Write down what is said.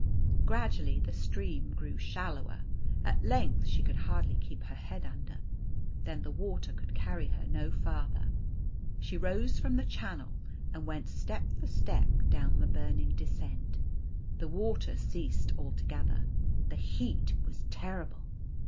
Gradually the stream grew shallower. At length she could hardly keep her head under. Then the water could carry her no farther. She rose from the channel, and went step for step down the burning descent. The water ceased altogether. The heat was terrible.